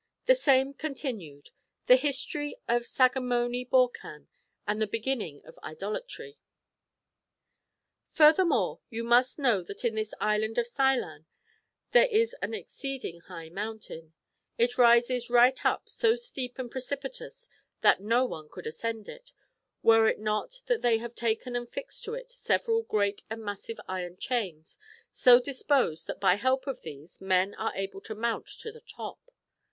Thk S.amk coNTiNifKi). The History ok Sac.vmom Hokc an and WW. r.KtilNNIN(; OK IlMtl AIKV. Fi'rthp:kmokk you must know that in this Island of Scilan there is an exceeding high mountain ; it rises right u|) so steep and precipitous tliat no one coidd ascend it, were it not that they liave taken and tixe<l to it several great and massive iron chains, so disposed that In lielp ot these men are ai>ie to mount to tlie top.